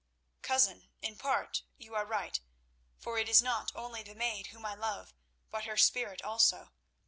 "Cousin, in part you are right, for it is not only the maid whom I love, but her spirit also.